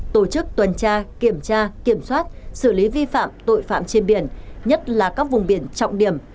tổ chức tuần tra kiểm tra kiểm soát xử lý vi phạm tội phạm trên biển nhất là các vùng biển trọng điểm